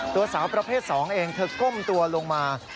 สาวประเภท๒เองเธอก้มตัวลงมา